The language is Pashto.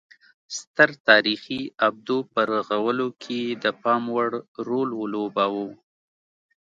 ستر تاریخي ابدو په رغولو کې یې د پام وړ رول ولوباوه